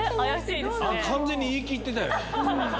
完全に言い切ってたよね？